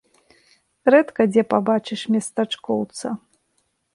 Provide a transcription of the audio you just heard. Рэдка дзе пабачыш местачкоўца.